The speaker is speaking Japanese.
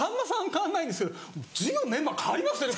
変わんないんですけど随分メンバー変わりましたね